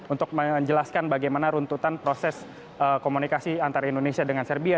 untuk menjelaskan bagaimana runtutan proses komunikasi antara indonesia dengan serbia